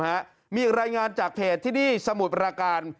มีรายงานจากเพจที่นี่สมุทรประการ